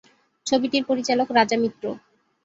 ছবিটির পরিচালক রাজা মিত্র।